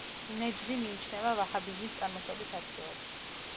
ნეჯდი მიიჩნევა ვაჰაბიზმის წარმოშობის ადგილად.